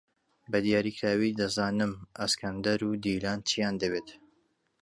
بەدیاریکراوی دەزانم ئەسکەندەر و دیلان چییان دەوێت.